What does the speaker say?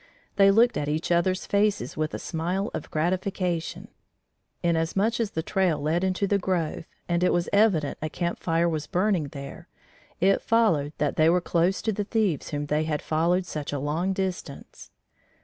They looked in each others' faces with a smile of gratification: inasmuch as the trail led into the grove and it was evident a camp fire was burning there, it followed that they were close to the thieves whom they had followed such a long distance.